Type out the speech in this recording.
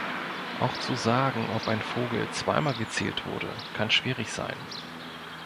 Auch zu sagen, ob ein Vogel zweimal gezählt wurde, kann schwierig sein.